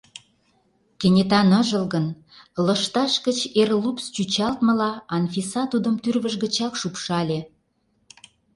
Кенета ныжылгын, лышташ гыч эр лупс чӱчалтмыла Анфиса тудым тӱрвыж гычак шупшале.